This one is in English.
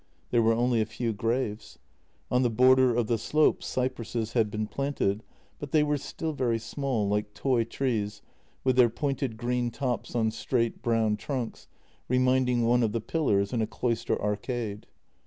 There were only a few graves. On the border of the slope cypresses had been planted, but they were still very small, like toy trees with their pointed green tops on straight brown trunks, re minding one of the pillars in a cloister arcade.